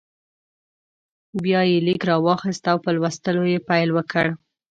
بیا یې لیک راواخیست او په لوستلو یې پیل وکړ.